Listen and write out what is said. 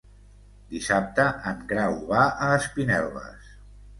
Dissabte en Grau va a Espinelves.